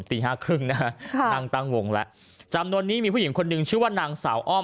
ตีห้าครึ่งนะฮะนั่งตั้งวงแล้วจำนวนนี้มีผู้หญิงคนหนึ่งชื่อว่านางสาวอ้อม